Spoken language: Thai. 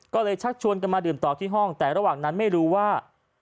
ก็เลยชักชวนกันมาดื่มต่อที่ห้องแต่ระหว่างนั้นไม่รู้ว่า